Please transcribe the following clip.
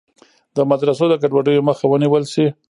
د مدرسو د ګډوډیو مخه ونیول شي.